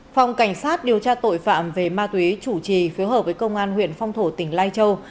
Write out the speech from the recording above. phòng cảnh sát điều tra tội phạm về ma túy chủ trì phiếu hợp với công an huyện phong thổ tỉnh lai châu